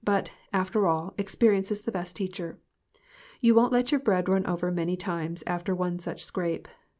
But, after all, experience is the best teacher. You won't let your bread run over many times after one such scrape.